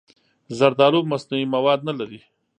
زردالو مصنوعي مواد نه لري.